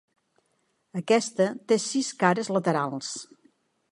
Aquesta té sis cares laterals.